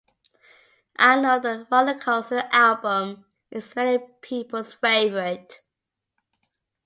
I know the "Rollercoaster" album is many people's favorite.